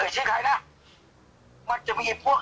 แม่ยังคงมั่นใจและก็มีความหวังในการทำงานของเจ้าหน้าที่ตำรวจค่ะ